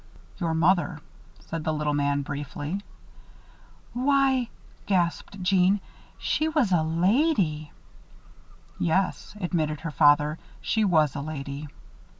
"Your mother," said the little man, briefly. "Why!" gasped Jeanne. "She was a lady!" "Yes," admitted her father. "She was a lady."